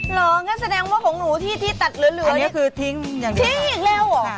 หรองั้นแสดงว่าของหนูที่ตัดเหลืออันนี้คือทิ้งอย่างเดียวค่ะทิ้งอีกแล้วหรอค่ะ